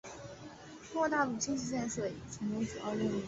中国大陆经济建设已成为主要任务。